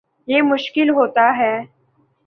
یہ مشکل ہوتا ہے